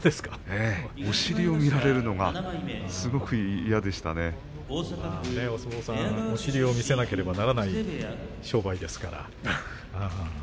お尻を見られるのはお相撲さんはお尻を見せなきゃいけない商売ですから。